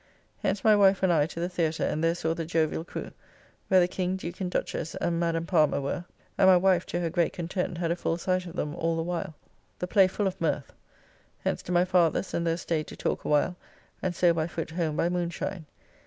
Hence my wife and I to the Theatre, and there saw "The Joviall Crew," where the King, Duke and Duchess, and Madame Palmer, were; and my wife, to her great content, had a full sight of them all the while. The play full of mirth. Hence to my father's, and there staid to talk a while and so by foot home by moonshine.